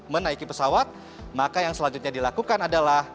menaiki pesawat maka yang selanjutnya dilakukan adalah